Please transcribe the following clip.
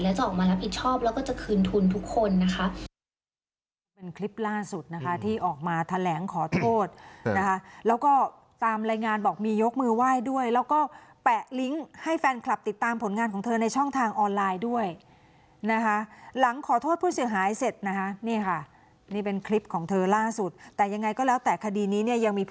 แล้วจะออกมารับผิดชอบแล้วก็จะคืนทุนทุกคนนะคะ